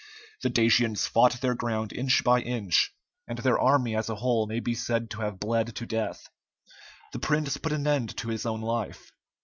The Dacians fought their ground inch by inch, and their army as a whole may be said to have bled to death. The prince put an end to his own life.